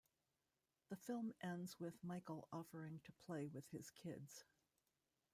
The film ends with Michael offering to play with his kids.